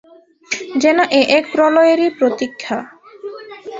যেন এ এক প্রলয়েরই প্রতীক্ষা।